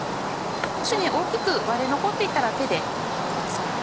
もし大きく割れ残っていたら手で割ってください。